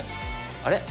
あれ？